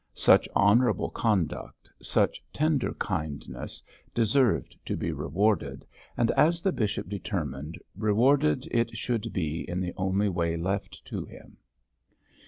Such honourable conduct, such tender kindness, deserved to be rewarded, and, as the bishop determined, rewarded it should be in the only way left to him.